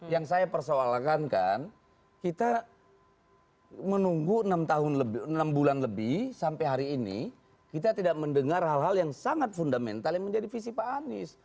yang saya persoalkan kan kita menunggu enam bulan lebih sampai hari ini kita tidak mendengar hal hal yang sangat fundamental yang menjadi visi pak anies